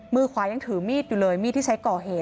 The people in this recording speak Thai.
มือขวายังถือมีดอยู่เลยมีดที่ใช้ก่อเหตุ